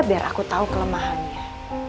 biar aku tau kelemahannya